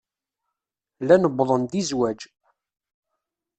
Llan uwḍen-d i zzwaj.